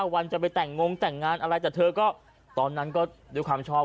วันจะไปแต่งงแต่งงานอะไรแต่เธอก็ตอนนั้นก็ด้วยความชอบ